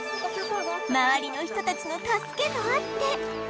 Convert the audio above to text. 周りの人たちの助けもあって